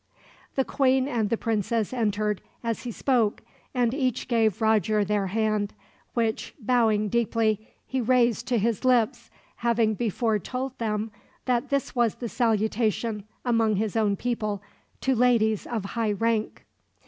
The queen and the princess entered as he spoke, and each gave Roger their hand; which, bowing deeply, he raised to his lips, having before told them that this was the salutation, among his own people, to ladies of high rank.